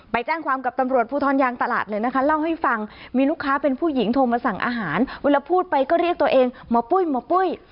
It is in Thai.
ไปแจ้งความกับตำรวจภูทรยางตลาดเลยนะคะเล่าให้ฟังมีลูกค้าเป็นผู้หญิงโทรมาสั่งอาหารเวลาพูดไปก็เรียกตัวเองหมอปุ้ยหมอปุ้ย